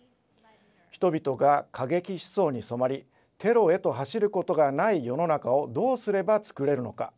人々が過激思想に染まりテロへと走ることがない世の中をどうすれば作れるのか。